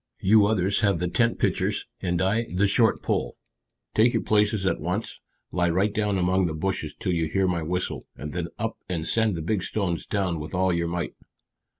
"You others have the tent pitchers, and I the short pole. Take your places at once; lie right down among the bushes till you hear my whistle, and then up and send the big stones down with all your might."